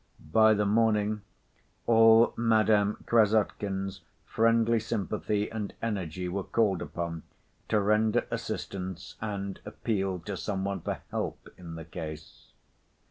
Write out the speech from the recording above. By the morning all Madame Krassotkin's friendly sympathy and energy were called upon to render assistance and appeal to some one for help in the case.